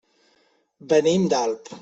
Venim d'Alp.